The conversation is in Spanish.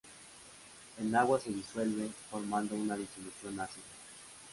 En agua se disuelve formando una disolución ácida.